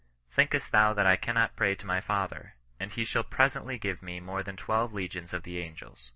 Thinkest thou that I cannot now pray to my Father, and he shall presently give me more than twelve legions of angels."